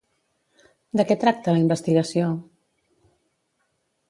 De què tracta la investigació?